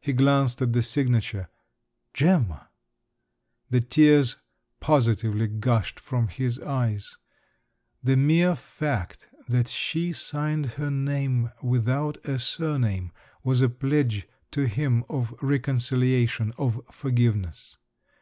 He glanced at the signature—Gemma! The tears positively gushed from his eyes: the mere fact that she signed her name, without a surname, was a pledge to him of reconciliation, of forgiveness!